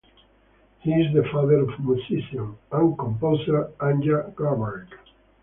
He is the father of musician and composer Anja Garbarek.